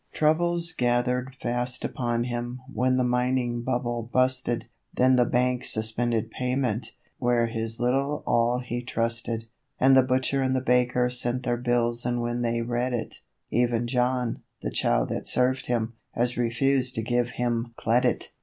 Troubles gathered fast upon him when the mining bubble 'busted,' Then the bank suspended payment, where his little all he trusted; And the butcher and the baker sent their bills in when they read it, Even John, the Chow that served him, has refused to give him 'cledit.